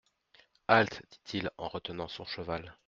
Halte ! dit-il en retenant son cheval.